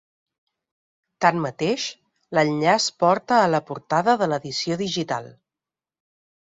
Tanmateix, l’enllaç porta a la portada de l’edició digital.